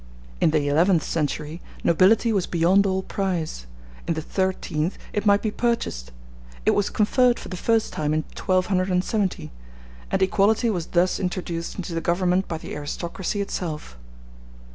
In the eleventh century nobility was beyond all price; in the thirteenth it might be purchased; it was conferred for the first time in 1270; and equality was thus introduced into the Government by the aristocracy itself.